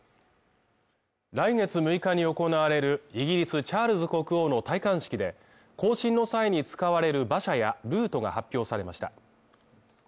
来月６日に行われるイギリス・チャールズ国王の戴冠式で行進の際に使われる馬車やルートが発表されました。